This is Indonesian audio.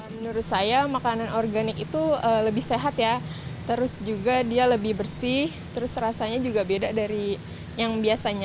menurut saya makanan organik itu lebih sehat ya terus juga dia lebih bersih terus rasanya juga beda dari yang biasanya